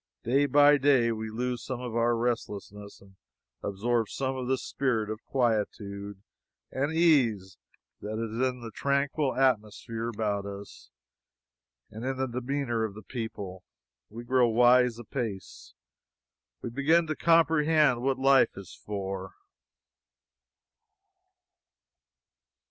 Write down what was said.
Day by day we lose some of our restlessness and absorb some of the spirit of quietude and ease that is in the tranquil atmosphere about us and in the demeanor of the people. We grow wise apace. We begin to comprehend what life is for.